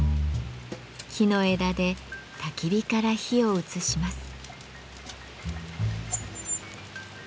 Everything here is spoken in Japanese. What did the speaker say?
木の枝でたき火から火を移します。